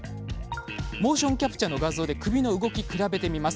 モーション・キャプチャの画像で首の動き、比べてみます。